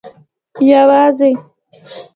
یوازي